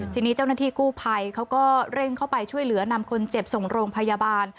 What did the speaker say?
ทีนี้เจ้าหน้าที่กู้ภัยเขาก็เร่งเข้าไปช่วยเหลือนำคนเจ็บส่งโรงพยาบาล